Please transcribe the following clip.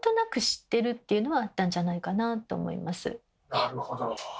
なるほど。